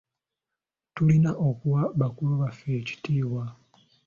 Tulina okuwa bakulu baffe ekitiibwa.